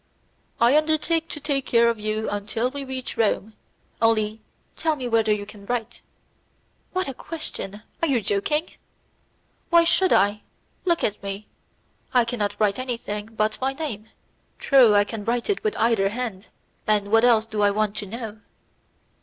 "I undertake to take care of you until we reach Rome; only tell me whether you can write." "What a question! Are you joking?" "Why should I? Look at me; I cannot write anything but my name. True, I can write it with either hand; and what else do I want to know?"